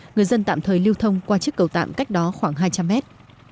người dân tạm thời lưu thông qua chiếc cầu tạm cách đó khoảng hai trăm linh mét